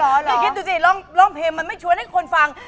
ไม่คิดดูสิร้องเพลงมันไม่ชวนให้คนฟัง